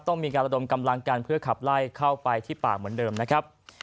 ต้องมีการระดมกำลังกันเพื่อขับไล่เข้าไปที่ปากเหมือนเดิมนะครับ